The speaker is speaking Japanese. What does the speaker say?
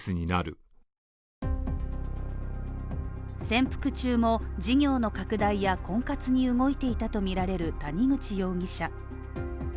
潜伏中も、事業の拡大や婚活に動いていたとみられる谷口容疑者。